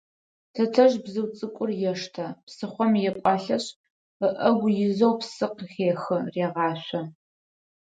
Тэтэжъ бзыу цӏыкӏур ештэ, псыхъом екӏуалӏэшъ, ыӏэгу изэу псы къыхехы, регъашъо.